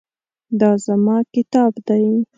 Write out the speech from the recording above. دا زما کتاب دی